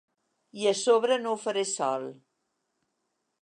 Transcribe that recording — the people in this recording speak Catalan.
I a sobre no ho faré sol.